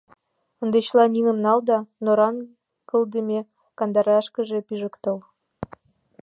— Ынде чыла ниным нал да Норан кылдыме кандырашкыже пижыктыл.